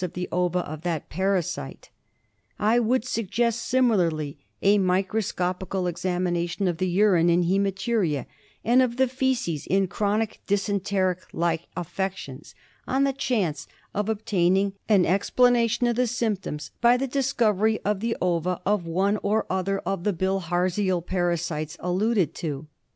of the ova of that parasite. I would suggest similarly a microscopical examination of the urine in hsematuria, and of the faeces in chronic dysenteric like affections, on the chance of obtaining an explanation of the symptoms by the discovery of the ova of one or other of the Bilharzial parasites alluded to.